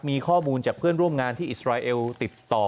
มีข้อมูลจากเพื่อนร่วมงานที่อิสราเอลติดต่อ